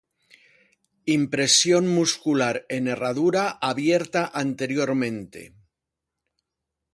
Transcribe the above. Impresión muscular en herradura abierta anteriormente.